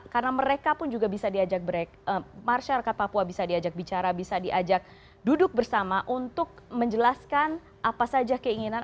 karena mereka pun juga bisa diajak masyarakat papua bisa diajak bicara bisa diajak duduk bersama untuk menjelaskan apa saja keinginan